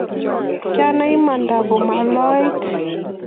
Kinae imanda komaloit